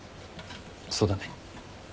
そうだね。